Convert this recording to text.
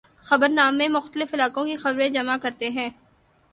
خبرنامے مختلف علاقوں کی خبریں جمع کرتے ہیں۔